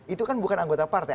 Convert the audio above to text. itu kan bukan anggota partai